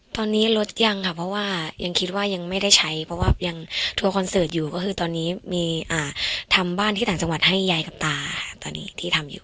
ตอนนี้รถยังค่ะเพราะว่ายังคิดว่ายังไม่ได้ใช้เพราะว่ายังทัวร์คอนเสิร์ตอยู่ก็คือตอนนี้มีทำบ้านที่ต่างจังหวัดให้ยายกับตาตอนนี้ที่ทำอยู่